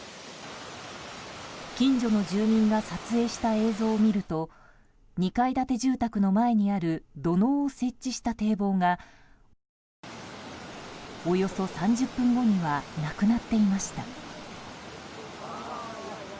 近所の住民が撮影した映像を見ると２階建て住宅の前にある土のうを設置した堤防がおよそ３０分後にはなくなっていました。